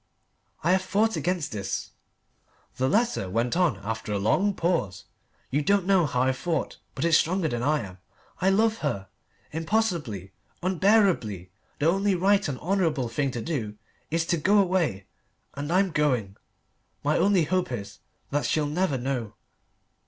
"I have fought against this," the letter went on after a long pause. "You don't know how I've fought, but it's stronger than I am. I love her impossibly, unbearably the only right and honourable thing to do is to go away, and I'm going. My only hope is that she'll never know.